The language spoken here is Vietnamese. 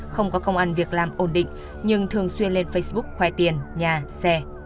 không có công ăn việc làm ổn định nhưng thường xuyên lên facebook khoe tiền nhà xe